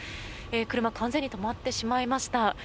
車、完全に止まってしまいました。